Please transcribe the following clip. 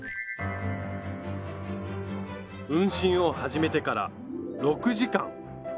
運針を始めてから６時間！